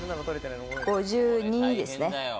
５２ですね。